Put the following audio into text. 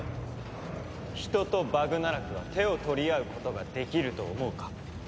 人とバグナラクは手を取り合うことができると思うか？